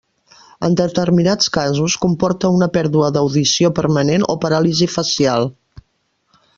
En determinats casos, comporta una pèrdua d'audició permanent o paràlisi facial.